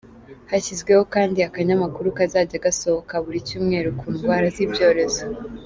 Hashyizweho kandi akanyamakuru kazajya gasohoka buri cyumweru ku ndwara z’ibyorezo.